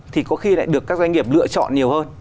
thì có khi lại được các doanh nghiệp lựa chọn nhiều hơn